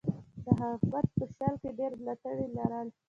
د هغه ګوند په شل کې ډېر ملاتړي لرل.